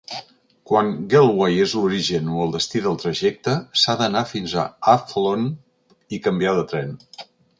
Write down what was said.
Quan Galway és l'origen o el destí del trajecte, s'ha d'anar fins a Athlone i canviar de tren.